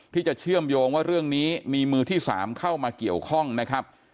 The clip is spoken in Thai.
ที่จะเชื่อมโยงว่าเรื่องนี้มีมือที่๓เข้ามาเกี่ยวข้องนะครับ